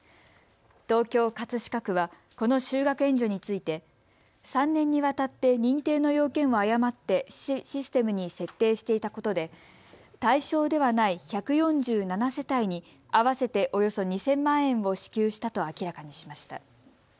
東京葛飾区はこの就学援助について３年にわたって認定の要件を誤ってシステムに設定していたことで対象ではない１４７世帯に合わせておよそ２０００万円を支給したと明らかにしました。